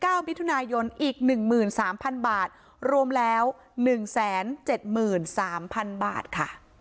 เจ้ามิถุนายนอีก๑๓๐๐๐บาทรวมแล้ว๑๗๓๐๐๐บาทค่ะ